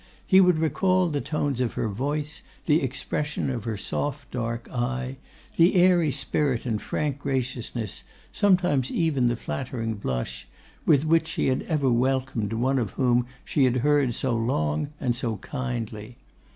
He would recall the tones of her voice, the expression of her soft dark eye, the airy spirit and frank graciousness, sometimes even the flattering blush, with which she had ever welcomed one of whom she had heard so long and so kindly.